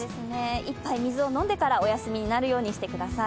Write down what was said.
１杯水を飲んでからお休みになってください。